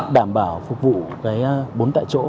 đảm bảo phục vụ bốn tại chỗ